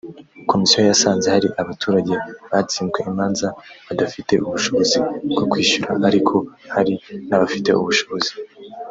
komisiyo yasanze hari abaturage batsinzwe imanza badafite ubushobozi bwo kwishyura ariko hari n abafite ubushobozi